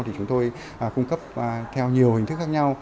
thì chúng tôi cung cấp theo nhiều hình thức khác nhau